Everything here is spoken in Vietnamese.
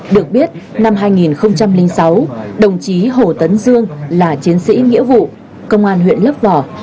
được biết năm hai nghìn sáu đồng chí hồ tấn dương là chiến sĩ nghĩa vụ công an huyện lấp vò